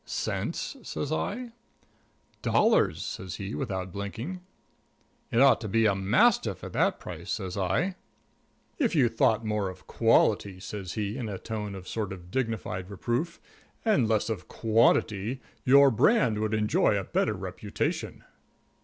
"Cents?" says I. "Dollars," says he, without blinking. "It ought to be a mastiff at that price," says I. "If you thought more of quality," says he, in a tone of sort of dignified reproof, "and less of quantity, your brand would enjoy a better reputation."